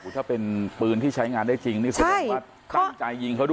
ถ้าเป็นปืนที่ใช้งานได้จริงนี่แสดงว่าตั้งใจยิงเขาด้วย